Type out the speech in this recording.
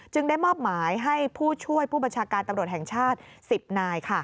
ได้มอบหมายให้ผู้ช่วยผู้บัญชาการตำรวจแห่งชาติ๑๐นาย